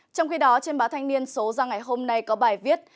trong khi đó trên báo thanh niên số ra ngày hôm nay có bài viết